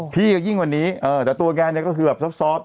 พี่ก็ยิ่งกว่านี้แต่ตัวแกก็ซอฟต์